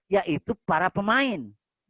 yaitu para pemain